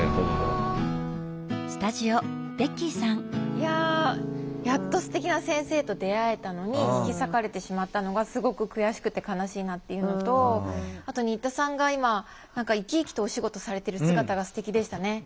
いややっとすてきな先生と出会えたのに引き裂かれてしまったのがすごく悔しくて悲しいなっていうのとあと新田さんが今何か生き生きとお仕事されてる姿がすてきでしたね。